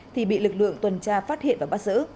thì bị lực lượng tuần tra phát hiện và bắt giữ